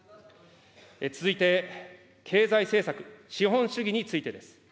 続いて経済政策、資本主義についてです。